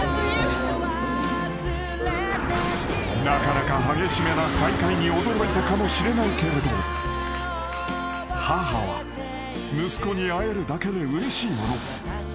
［なかなか激しめな再会に驚いたかもしれないけれど母は息子に会えるだけでうれしいもの］